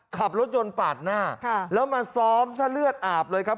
ขับรถยนต์ปาดหน้าแล้วมาซ้อมซะเลือดอาบเลยครับ